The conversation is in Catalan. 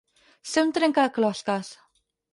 Ser un trencaclosques.